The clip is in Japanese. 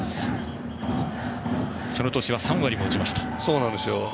その年は３割も打ちました。